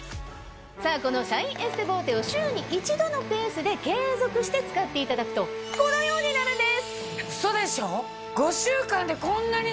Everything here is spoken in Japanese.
このシャインエステボーテを週に１度のペースで継続して使っていただくとこのようになるんです！